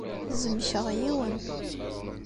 Zemkeɣ yiwen.